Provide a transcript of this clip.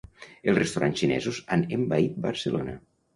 Els restaurants xinesos han envaït Barcelona.